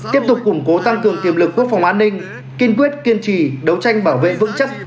tiếp tục củng cố tăng cường tiềm lực quốc phòng an ninh kiên quyết kiên trì đấu tranh bảo vệ vững chắc